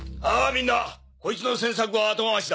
みんなこいつの詮索は後回しだ。